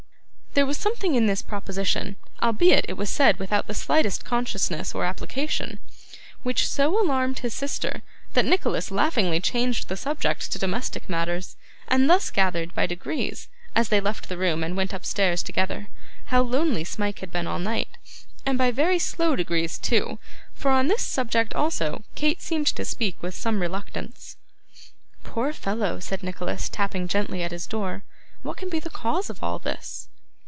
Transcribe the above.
There was something in this proposition, albeit it was said without the slightest consciousness or application, which so alarmed his sister, that Nicholas laughingly changed the subject to domestic matters, and thus gathered, by degrees, as they left the room and went upstairs together, how lonely Smike had been all night and by very slow degrees, too; for on this subject also, Kate seemed to speak with some reluctance. 'Poor fellow,' said Nicholas, tapping gently at his door, 'what can be the cause of all this?